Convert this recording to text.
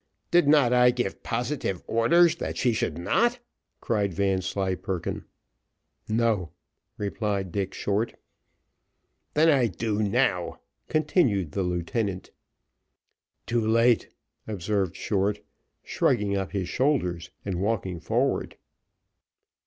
"Did not I give positive orders that she should not?" cried Vanslyperken. "No," replied Dick Short. "Then I do now," continued the lieutenant. "Too late," observed Short, shrugging up his shoulders, and walking forward.